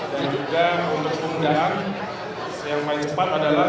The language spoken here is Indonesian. dan juga untuk kemudahan yang paling cepat adalah